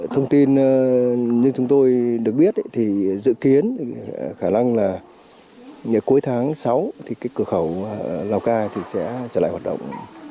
thông tin như chúng tôi được biết thì dự kiến khả năng là cuối tháng sáu thì cái cửa khẩu lào cai sẽ trở lại hoạt động